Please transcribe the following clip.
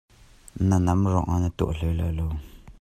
Naa nam ruangah na tuan hlei lai lo.